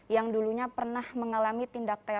yang dulunya pernah menganggap saya sebagai agama yang cinta damai